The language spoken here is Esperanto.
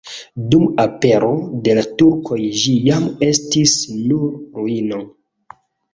Dum apero de la turkoj ĝi jam estis nur ruino.